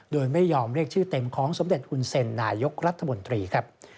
โดยไม่ยอมเรียกชื่อเต็มของสมเด็จหุ่นเซ็นนายกรัฐมนตรีครับ